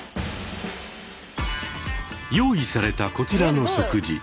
用意されたこちらの食事。